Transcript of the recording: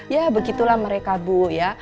ya begitulah mereka bu ya